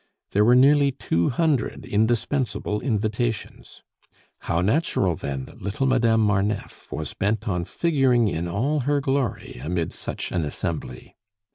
There were nearly two hundred indispensable invitations. How natural, then, that little Madame Marneffe was bent on figuring in all her glory amid such an assembly.